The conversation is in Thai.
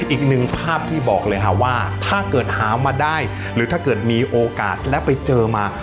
อีกหนึ่งภาพที่บอกเลยค่ะว่าถ้าเกิดหามาได้หรือถ้าเกิดมีโอกาสแล้วไปเจอมา